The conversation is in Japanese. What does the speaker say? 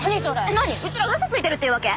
何うちらが嘘ついてるっていうわけ！？